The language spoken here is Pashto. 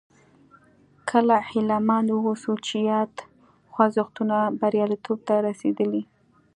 کله هیله مند واوسو چې یاد خوځښتونه بریالیتوب ته رسېدلي.